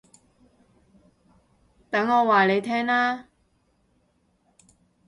等我話你聽啦